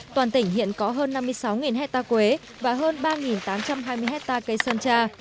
toàn tỉnh hiện có hơn năm mươi sáu hectare quế và hơn ba tám trăm hai mươi hectare cây sơn tra